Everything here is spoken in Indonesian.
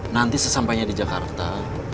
nanti sesampainya di jakarta